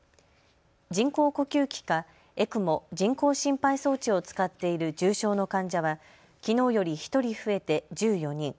人工呼吸器かＥＣＭＯ・人工心肺装置を使っている重症の患者はきのうより１人増えて１４人。